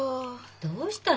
どうしたの？